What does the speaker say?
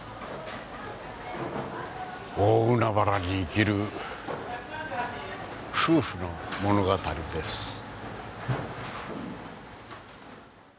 大海原に生きる夫婦の物語です。